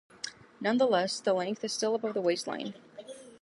Nonetheless the length is still above the waist line.